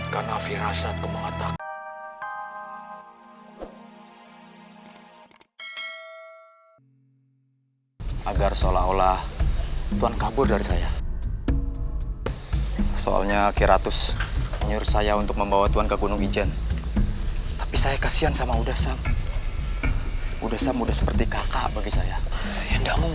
karena firasatku mengatakan